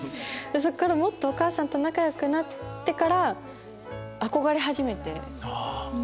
そっからもっとお母さんと仲良くなってから。